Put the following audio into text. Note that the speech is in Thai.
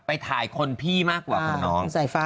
ไปถ่ายคนพี่มากกว่าคนน้อง